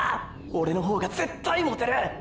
オレの方が絶対モテる！